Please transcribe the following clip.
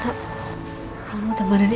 kamu temanin ibu tidur di sini ya